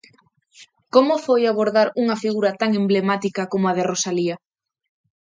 Como foi abordar unha figura tan emblemática como a de Rosalía?